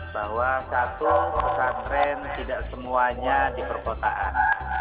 bahwa satu pesantren tidak semuanya di perkotaan